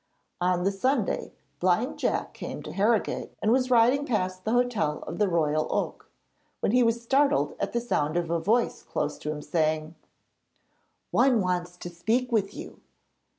On the Sunday Blind Jack came to Harrogate and was riding past the hotel of the Royal Oak, when he was startled at the sound of a voice close to him saying: 'One wants to speak with you.'